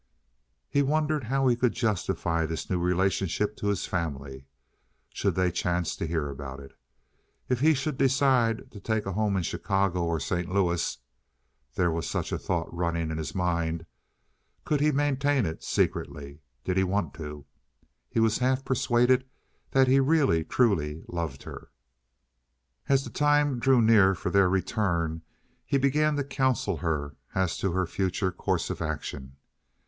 He wondered how he could justify this new relationship to his family, should they chance to hear about it. If he should decide to take a home in Chicago or St. Louis (there was such a thought running in his mind) could he maintain it secretly? Did he want to? He was half persuaded that he really, truly loved her. As the time drew near for their return he began to counsel her as to her future course of action.